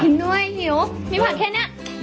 หนึ่งหน้วยเหี่ยวถ้ามีผักแค่นี้